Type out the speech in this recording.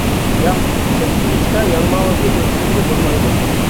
— ياق، كىچىك قىلىچتا يالماۋۇزنى ئۆلتۈرگىلى بولمايدۇ.